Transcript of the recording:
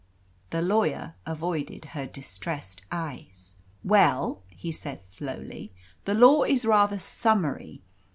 The lawyer avoided her distressed eyes. "Well," he said slowly, "the law is rather summary.